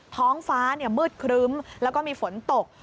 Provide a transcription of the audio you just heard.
ท้องฟ้ามืดครึ้มแล้วก็มีฝนตก